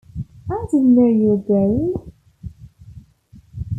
I didn't know you were gone.